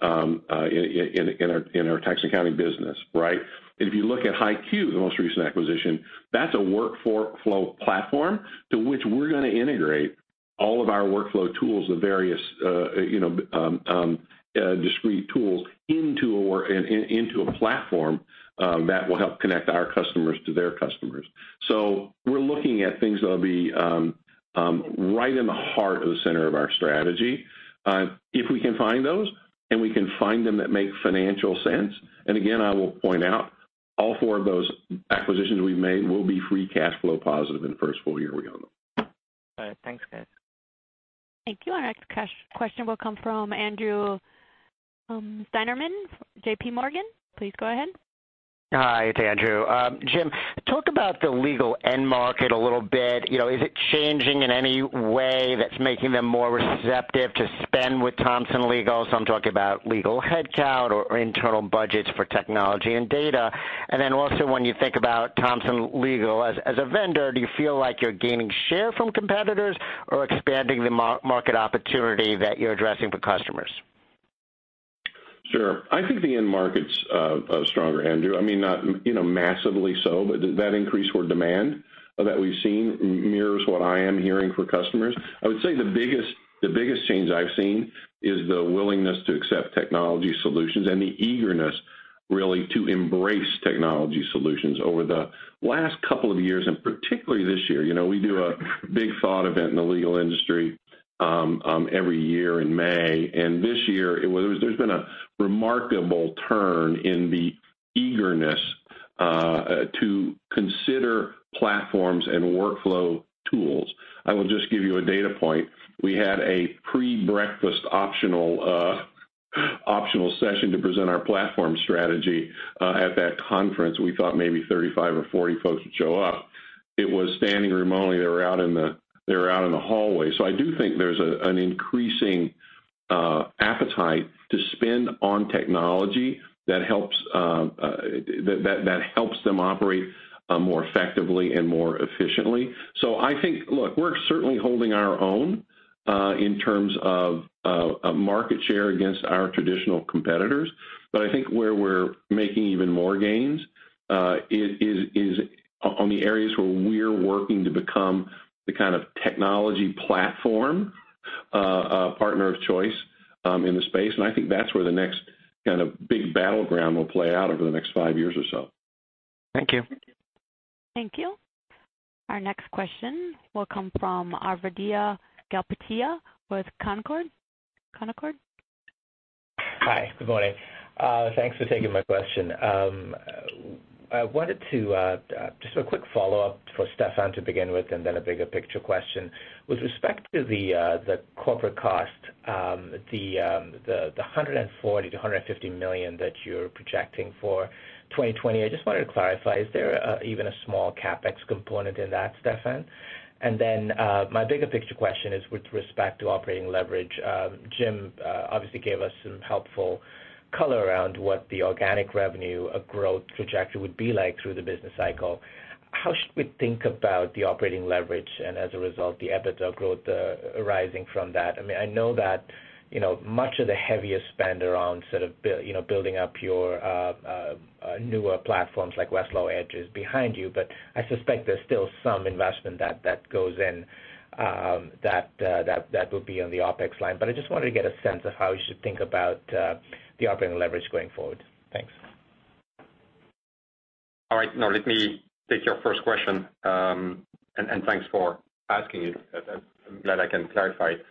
in our tax accounting business, right? And if you look at HighQ, the most recent acquisition, that's a workflow platform to which we're going to integrate all of our workflow tools, the various discrete tools into a platform that will help connect our customers to their customers. So, we're looking at things that'll be right in the heart of the center of our strategy. If we can find those and we can find them that make financial sense, and again, I will point out all four of those acquisitions we've made will be free cash flow positive in the first full year we go in them. Got it. Thanks, guys. Thank you. Our next question will come from Andrew Steinerman, J.P. Morgan. Please go ahead. Hi, it's Andrew. Jim, talk about the legal end market a little bit. Is it changing in any way that's making them more receptive to spend with Thomson Legal? So, I'm talking about legal headcount or internal budgets for technology and data. And then also, when you think about Thomson Legal as a vendor, do you feel like you're gaining share from competitors or expanding the market opportunity that you're addressing for customers? Sure. I think the end market's stronger, Andrew. I mean, not massively so, but that increase in demand that we've seen mirrors what I am hearing from customers. I would say the biggest change I've seen is the willingness to accept technology solutions and the eagerness really to embrace technology solutions over the last couple of years and particularly this year. We do a big thought event in the legal industry every year in May. This year, there's been a remarkable turn in the eagerness to consider platforms and workflow tools. I will just give you a data point. We had a pre-breakfast optional session to present our platform strategy at that conference. We thought maybe 35 or 40 folks would show up. It was standing room only. They were out in the hallway. I do think there's an increasing appetite to spend on technology that helps them operate more effectively and more efficiently. So, I think, look, we're certainly holding our own in terms of market share against our traditional competitors. But I think where we're making even more gains is on the areas where we're working to become the kind of technology platform partner of choice in the space. And I think that's where the next kind of big battleground will play out over the next five years or so. Thank you. Thank you. Our next question will come from Aravinda Galappatthige with Canaccord Genuity. Canaccord? Hi. Good morning. Thanks for taking my question. I wanted to just do a quick follow-up for Stéphane to begin with and then a bigger picture question. With respect to the Corporates cost, the $140 million-$150 million that you're projecting for 2020, I just wanted to clarify, is there even a small CapEx component in that, Stéphane? And then my bigger picture question is with respect to operating leverage. Jim obviously gave us some helpful color around what the organic revenue growth trajectory would be like through the business cycle. How should we think about the operating leverage and, as a result, the EBITDA growth arising from that? I mean, I know that much of the heaviest spend around sort of building up your newer platforms like Westlaw Edge is behind you, but I suspect there's still some investment that goes in that would be on the OpEx line. But I just wanted to get a sense of how you should think about the operating leverage going forward. Thanks. All right. No, let me take your first question. And thanks for asking it. I'm glad I can clarify it.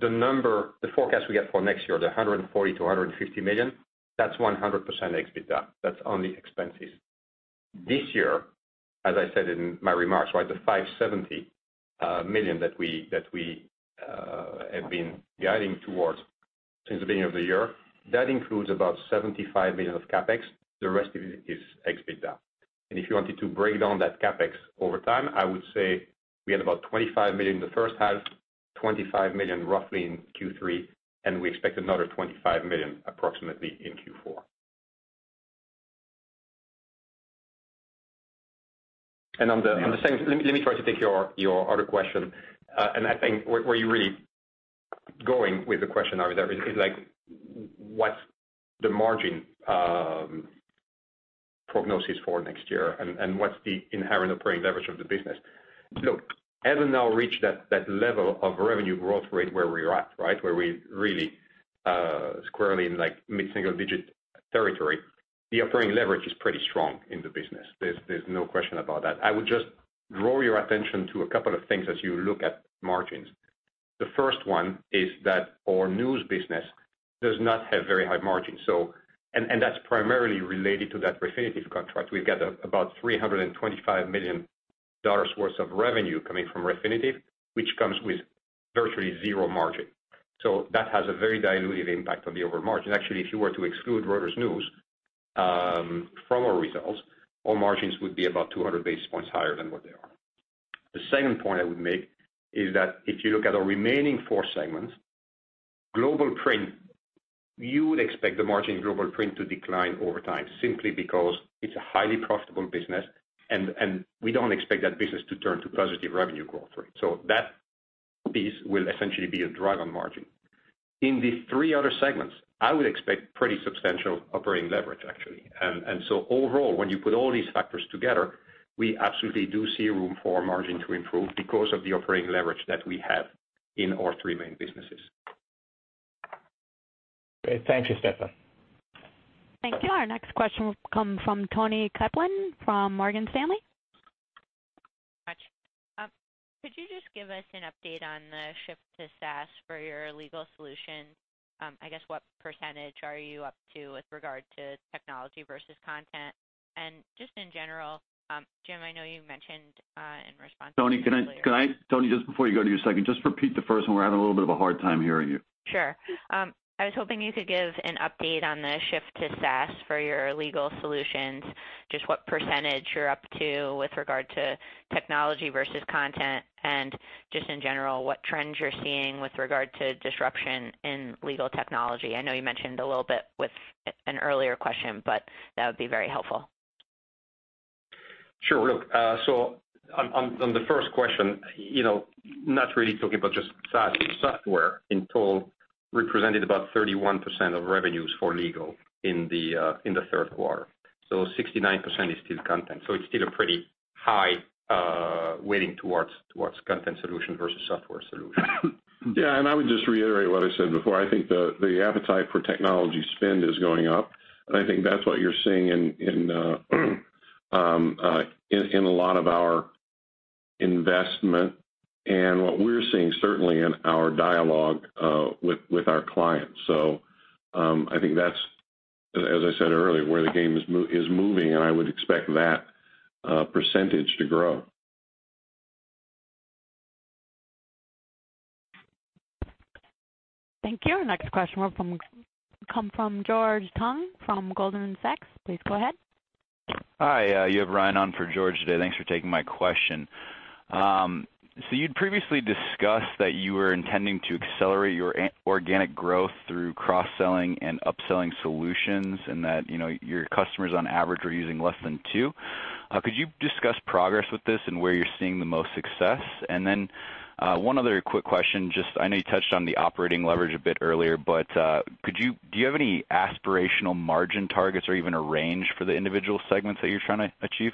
The forecast we got for next year, the $140 million-$150 million, that's 100% EBITDA. That's only expenses. This year, as I said in my remarks, right, the $570 million that we have been guiding towards since the beginning of the year, that includes about $75 million of CapEx. The rest of it is EBITDA. And if you wanted to break down that CapEx over time, I would say we had about $25 million in the first half, $25 million roughly in Q3, and we expect another $25 million approximately in Q4. And on the same. Let me try to take your other question. And I think where you're really going with the question is what's the margin prognosis for next year and what's the inherent operating leverage of the business? Look, as of now, reach that level of revenue growth rate where we're at, right, where we're really squarely in mid-single-digit territory, the operating leverage is pretty strong in the business. There's no question about that. I would just draw your attention to a couple of things as you look at margins. The first one is that our news business does not have very high margins, and that's primarily related to that Refinitiv contract. We've got about $325 million worth of revenue coming from Refinitiv, which comes with virtually zero margin, so that has a very diluted impact on the overall margin. Actually, if you were to exclude Reuters News from our results, our margins would be about 200 basis points higher than what they are. The second point I would make is that if you look at our remaining four segments, Global Print, you would expect the margin Global Print to decline over time simply because it's a highly profitable business, and we don't expect that business to turn to positive revenue growth rate, so that piece will essentially be a drag on margin. In the three other segments, I would expect pretty substantial operating leverage, actually. And so, overall, when you put all these factors together, we absolutely do see room for our margin to improve because of the operating leverage that we have in our three main businesses. Great. Thank you, Stéphane. Thank you. Our next question will come from Toni Kaplan from Morgan Stanley. Could you just give us an update on the shift to SaaS for your Legal solution? I guess what percentage are you up to with regard to technology versus content? And just in general, Jim, I know you mentioned in response to— Toni, can I—Toni, just before you go to your second, just repeat the first one. We're having a little bit of a hard time hearing you. Sure. I was hoping you could give an update on the shift to SaaS for your Legal solutions, just what percentage you're up to with regard to technology versus content, and just in general, what trends you're seeing with regard to disruption in legal technology? I know you mentioned a little bit with an earlier question, but that would be very helpful. Sure. Look, so on the first question, not really talking about just SaaS, but software in total represented about 31% of revenues for legal in the third quarter, so 69% is still content, so it's still a pretty high weighting towards content solutions versus software solutions. Yeah, and I would just reiterate what I said before. I think the appetite for technology spend is going up. And I think that's what you're seeing in a lot of our investment and what we're seeing certainly in our dialogue with our clients. So, I think that's, as I said earlier, where the game is moving, and I would expect that percentage to grow. Thank you. Our next question will come from George Tong from Goldman Sachs. Please go ahead. Hi. You have Ryan on for George today. Thanks for taking my question. So, you'd previously discussed that you were intending to accelerate your organic growth through cross-selling and upselling solutions and that your customers, on average, were using less than two. Could you discuss progress with this and where you're seeing the most success? And then one other quick question. I know you touched on the operating leverage a bit earlier, but do you have any aspirational margin targets or even a range for the individual segments that you're trying to achieve?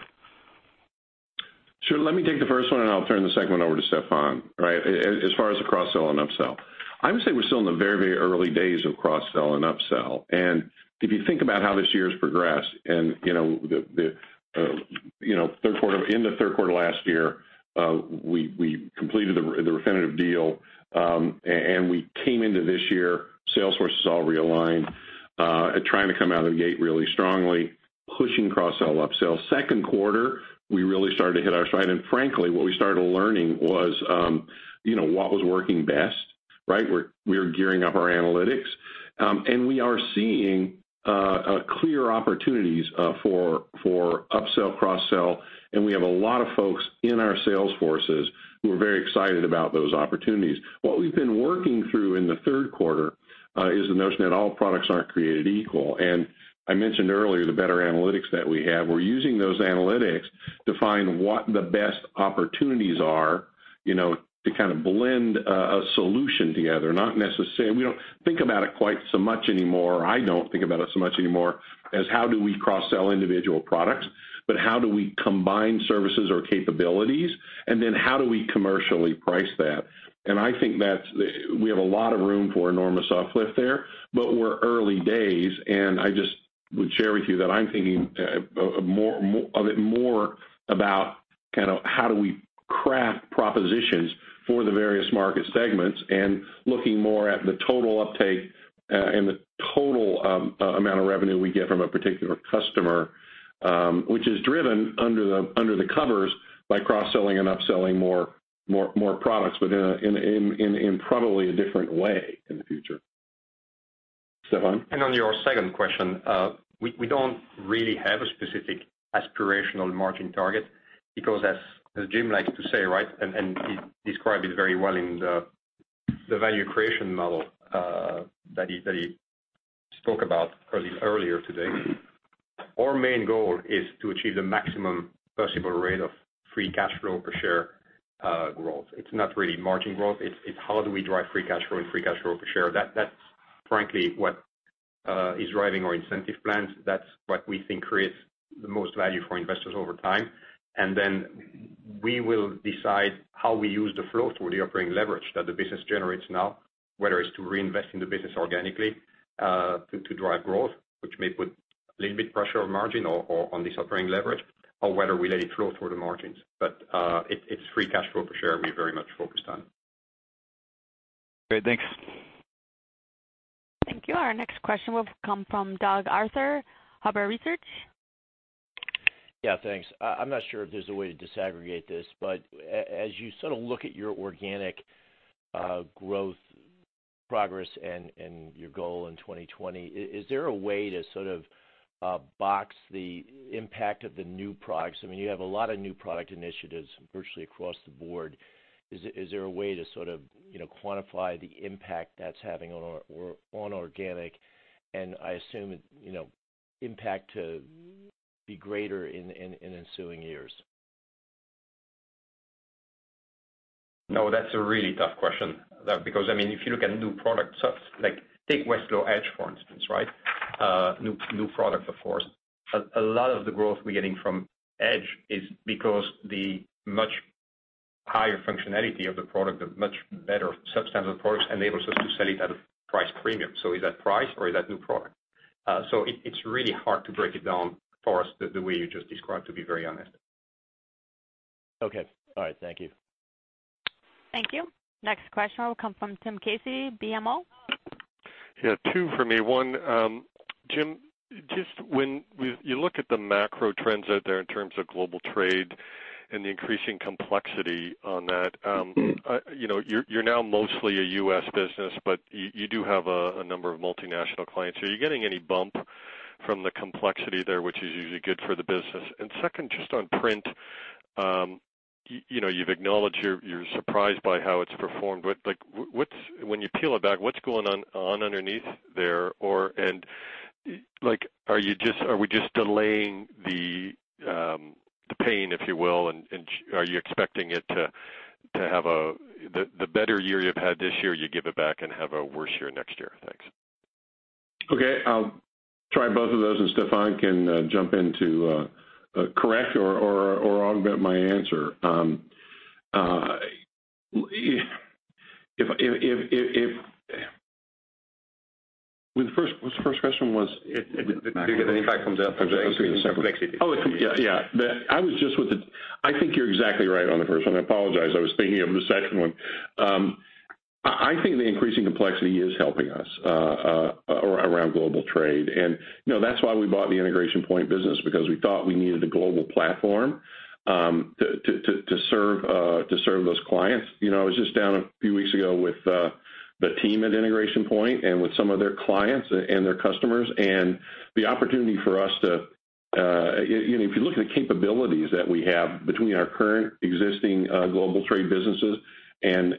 Sure. Let me take the first one, and I'll turn the segment over to Stéphane, right, as far as the cross-sell and upsell. I would say we're still in the very, very early days of cross-sell and upsell. And if you think about how this year has progressed and the third quarter, in the third quarter last year, we completed the Refinitiv deal, and we came into this year, sales force was all realigned, trying to come out of the gate really strongly, pushing cross-sell and upsell. Second quarter, we really started to hit our stride. And frankly, what we started learning was what was working best, right? We were gearing up our analytics, and we are seeing clear opportunities for upsell, cross-sell, and we have a lot of folks in our sales forces who are very excited about those opportunities. What we've been working through in the third quarter is the notion that all products aren't created equal. And I mentioned earlier the better analytics that we have. We're using those analytics to find what the best opportunities are to kind of blend a solution together. We don't think about it quite so much anymore, I don't think about it so much anymore, as how do we cross-sell individual products, but how do we combine services or capabilities, and then how do we commercially price that? And I think that we have a lot of room for enormous uplift there, but we're early days. And I just would share with you that I'm thinking of it more about kind of how do we craft propositions for the various market segments and looking more at the total uptake and the total amount of revenue we get from a particular customer, which is driven under the covers by cross-selling and upselling more products, but in probably a different way in the future. Stéphane? And on your second question, we don't really have a specific aspirational margin target because, as Jim likes to say, right, and he described it very well in the value creation model that he spoke about earlier today, our main goal is to achieve the maximum possible rate of free cash flow per share growth. It's not really margin growth. It's how do we drive free cash flow and free cash flow per share. That's frankly what is driving our incentive plans. That's what we think creates the most value for investors over time. And then we will decide how we use the flow through the operating leverage that the business generates now, whether it's to reinvest in the business organically to drive growth, which may put a little bit of pressure on margin or on this operating leverage, or whether we let it flow through the margins. But it's free cash flow per share we very much focus on. Great. Thanks. Thank you. Our next question will come from Doug Arthur, Huber Research. Yeah. Thanks. I'm not sure if there's a way to disaggregate this, but as you sort of look at your organic growth progress and your goal in 2020, is there a way to sort of box the impact of the new products? I mean, you have a lot of new product initiatives virtually across the board. Is there a way to sort of quantify the impact that's having on organic and, I assume, impact to be greater in ensuing years? No, that's a really tough question because, I mean, if you look at new product stuff, take Westlaw Edge, for instance, right? New product, of course. A lot of the growth we're getting from Edge is because the much higher functionality of the product, the much better substantive products enables us to sell it at a price premium. So, is that price or is that new product? So, it's really hard to break it down for us the way you just described, to be very honest. Okay. All right. Thank you. Thank you. Next question will come from Tim Casey, BMO. Yeah. Two for me. One, Jim, just when you look at the macro trends out there in terms of global trade and the increasing complexity on that, you're now mostly a U.S. business, but you do have a number of multinational clients. Are you getting any bump from the complexity there, which is usually good for the business? And second, just on print, you've acknowledged you're surprised by how it's performed. When you peel it back, what's going on underneath there? And are we just delaying the pain, if you will, and are you expecting it to have a - the better year you've had this year, you give it back and have a worse year next year? Thanks. Okay. I'll try both of those, and Stéphane can jump in to correct or augment my answer. What's the first question was? Did you get the impact from the complexity? Oh, yeah. Yeah. I think you're exactly right on the first one. I apologize. I was thinking of the second one. I think the increasing complexity is helping us around global trade. And that's why we bought the Integration Point business, because we thought we needed a global platform to serve those clients. I was just down a few weeks ago with the team at Integration Point and with some of their clients and their customers. And the opportunity for us to, if you look at the capabilities that we have between our current existing global trade businesses and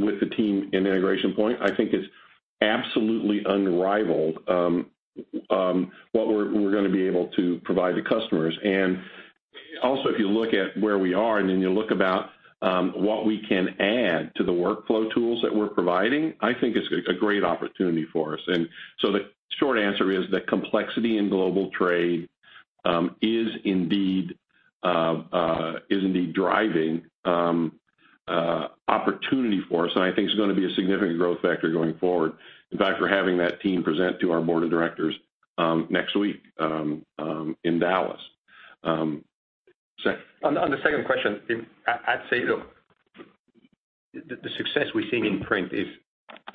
with the team in Integration Point, I think it's absolutely unrivaled what we're going to be able to provide the customers. And also, if you look at where we are and then you look about what we can add to the workflow tools that we're providing, I think it's a great opportunity for us. And so the short answer is that complexity in global trade is indeed driving opportunity for us, and I think it's going to be a significant growth factor going forward. In fact, we're having that team present to our board of directors next week in Dallas. On the second question, I'd say the success we're seeing in print is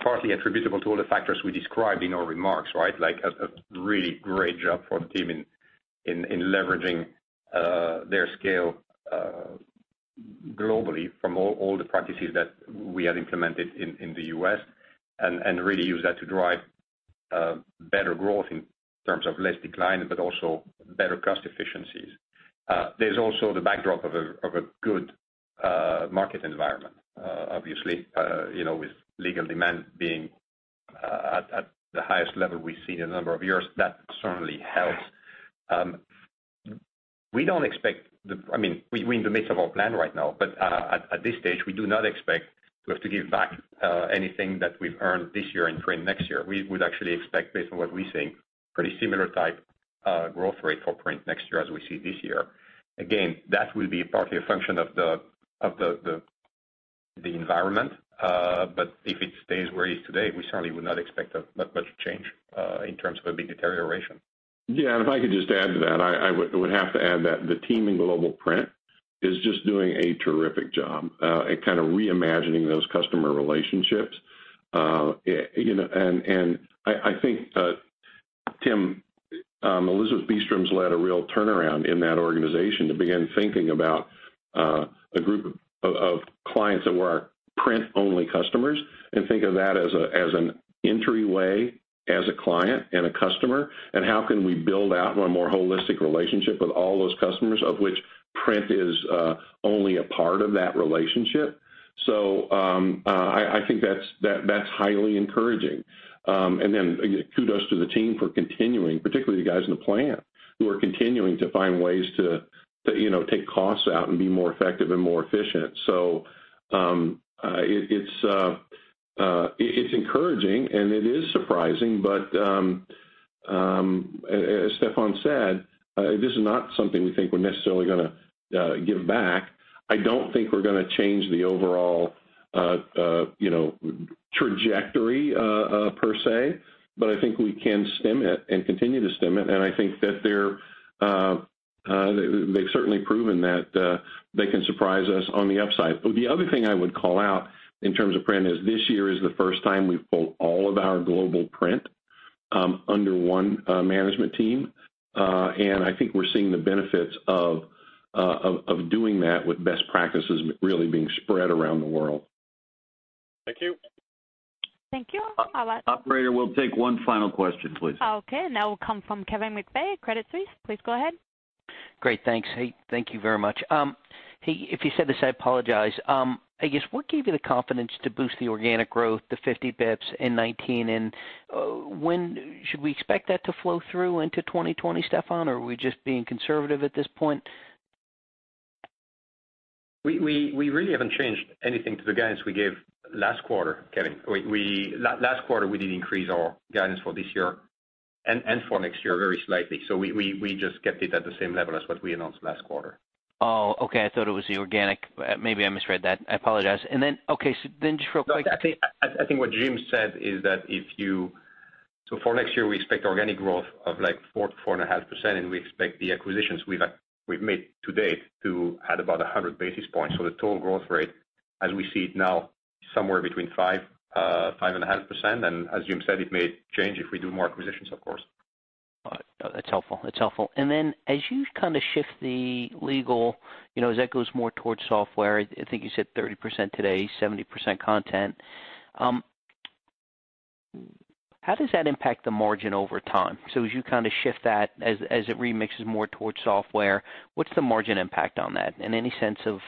partly attributable to all the factors we described in our remarks, right? A really great job for the team in leveraging their scale globally from all the practices that we had implemented in the U.S. and really use that to drive better growth in terms of less decline, but also better cost efficiencies. There's also the backdrop of a good market environment, obviously, with legal demand being at the highest level we've seen in a number of years. That certainly helps. We don't expect, I mean, we're in the midst of our plan right now, but at this stage, we do not expect to have to give back anything that we've earned this year in print next year. We would actually expect, based on what we're seeing, a pretty similar type growth rate for print next year as we see this year. Again, that will be partly a function of the environment, but if it stays where it is today, we certainly would not expect that much change in terms of a big deterioration. Yeah. And if I could just add to that, I would have to add that the team in Global Print is just doing a terrific job at kind of reimagining those customer relationships. I think, Tim, Elizabeth Beastrom's led a real turnaround in that organization to begin thinking about a group of clients that were our print-only customers and think of that as an entryway as a client and a customer. How can we build out a more holistic relationship with all those customers, of which print is only a part of that relationship? That's highly encouraging. Kudos to the team for continuing, particularly the guys in the plant who are continuing to find ways to take costs out and be more effective and more efficient. It's encouraging, and it is surprising. But as Stéphane said, this is not something we think we're necessarily going to give back. I don't think we're going to change the overall trajectory per se, but I think we can stem it and continue to stem it. And I think that they've certainly proven that they can surprise us on the upside. The other thing I would call out in terms of print is this year is the first time we've pulled all of our global print under one management team. And I think we're seeing the benefits of doing that with best practices really being spread around the world. Thank you. Thank you. How about you? Operator, we'll take one final question, please. Okay. Now we'll come from Kevin McVeigh, Credit Suisse. Please go ahead. Great. Thanks. Hey, thank you very much. Hey, if you said this, I apologize. I guess, what gave you the confidence to boost the organic growth, the 50 basis points in 2019? And when should we expect that to flow through into 2020, Stéphane, or are we just being conservative at this point? We really haven't changed anything to the guidance we gave last quarter, Kevin. Last quarter, we did increase our guidance for this year and for next year very slightly. So we just kept it at the same level as what we announced last quarter. Oh, okay. I thought it was the organic. Maybe I misread that. I apologize. And then, okay. So then just real quick. No, exactly. I think what Jim said is that if you—so for next year, we expect organic growth of like 4-4.5%, and we expect the acquisitions we've made to date to add about 100 basis points. The total growth rate, as we see it now, is somewhere between 5%-5.5%. And as Jim said, it may change if we do more acquisitions, of course. All right. That's helpful. That's helpful. And then as you kind of shift the legal, as that goes more towards software, I think you said 30% today, 70% content. How does that impact the margin over time? So as you kind of shift that, as it remixes more towards software, what's the margin impact on that? And any sense of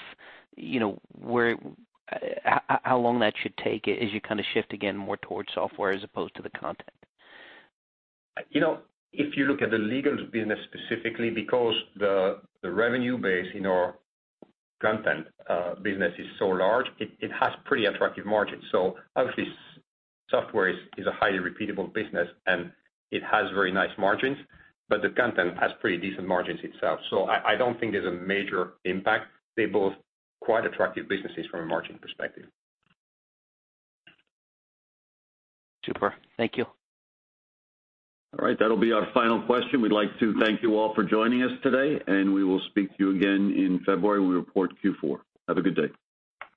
how long that should take as you kind of shift again more towards software as opposed to the content? If you look at the Legal business specifically, because the revenue base in our content business is so large, it has pretty attractive margins. So obviously, software is a highly repeatable business, and it has very nice margins, but the content has pretty decent margins itself. So I don't think there's a major impact. They're both quite attractive businesses from a margin perspective. Super. Thank you. All right. That'll be our final question. We'd like to thank you all for joining us today, and we will speak to you again in February when we report Q4. Have a good day.